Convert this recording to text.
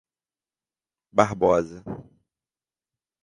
Barbosa